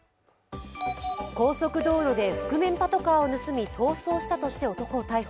高速道路で覆面パトカーを盗み逃走したとして男を逮捕。